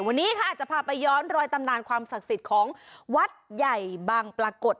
วันนี้ค่ะจะพาไปย้อนรอยตำนานความศักดิ์สิทธิ์ของวัดใหญ่บางปรากฏ